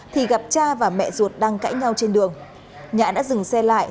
thì gặp cha và mẹ ruột đang cãi nhau trên đường nhã đã dừng xe lại